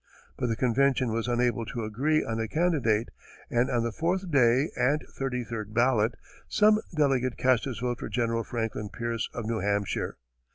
But the convention was unable to agree on a candidate, and on the fourth day and thirty third ballot, some delegate cast his vote for General Franklin Pierce, of New Hampshire.